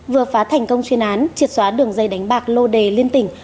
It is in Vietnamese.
vừa phá thành công chuyên án triệt xóa đường dây đánh bạc lô đề liên tỉnh